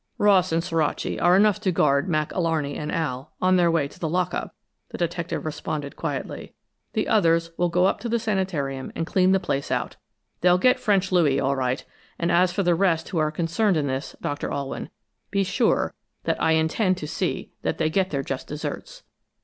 "Ross and Suraci are enough to guard Mac Alarney and Al on their way to the lock up," the detective responded quietly. "The others will go on up to the sanitarium and clean the place out. They'll get French Louis, all right. And as for the rest who are concerned in this, Doctor Alwyn, be sure that I intend to see that they get their just deserts."